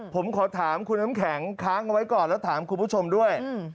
ผมขอถามคุณน้ำแข็งค้างเอาไว้ก่อนแล้วถามคุณผู้ชมด้วย